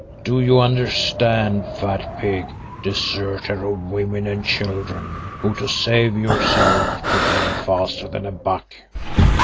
Do you understand, fat pig, deserter of women and children, who to save yourself could run faster than a buck?"